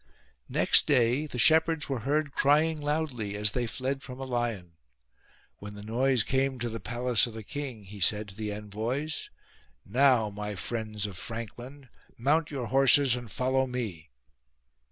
Next day the shepherds were heard crying loudly as they fled from a lion. When the noise came to the palace of the king, he said to the envoys ;" Now, 132 HAROUN PRAISES CHARLES my friends of Frankland, mount your horses and follow me."